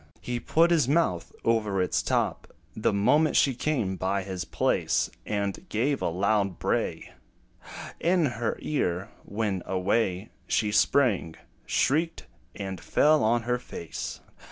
He put his mouth over its top, The moment she came by his place; And gave a loud bray In her ear, when, away She sprang, shrieked, and fell on her face.